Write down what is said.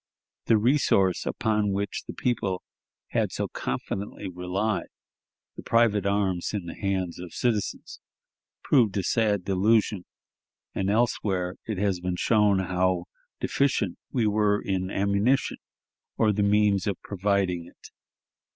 The resource upon which the people had so confidently relied, the private arms in the hands of citizens, proved a sad delusion, and elsewhere it has been shown how deficient we were in ammunition, or the means of providing it.